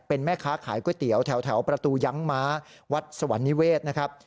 เป็นแม่ค้าขายก๋วยเตี๋ยวแถวประตูยั้งม้าวัดสวรรค์นิเวศนะครับ